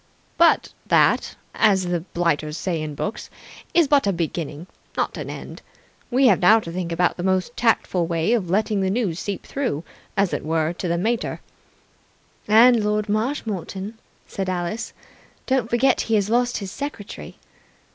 " But that, as the blighters say in books, is but a beginning, not an end. We have now to think out the most tactful way of letting the news seep through, as it were, to the mater." "And Lord Marshmoreton," said Alice. "Don't forget he has lost his secretary."